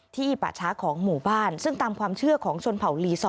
ป่าช้าของหมู่บ้านซึ่งตามความเชื่อของชนเผ่าลีซอ